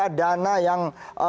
ya dana yang